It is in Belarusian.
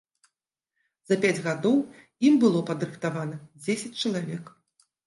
За пяць гадоў ім было падрыхтавана дзесяць чалавек.